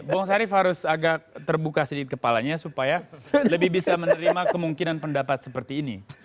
bung sarif harus agak terbuka sedikit kepalanya supaya lebih bisa menerima kemungkinan pendapat seperti ini